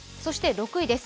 ６位です。